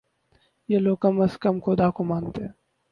یہ لوگ کم از کم خدا کو مانتے ہیں۔